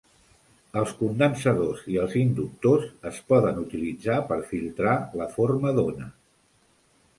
Els condensadors i els inductors es poden utilitzar per filtrar la forma d'ona.